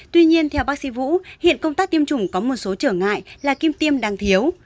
tuy nhiên theo bác sĩ vũ hiện công tác tiêm chủng có một số trở ngại là kim tiêm đang thiếu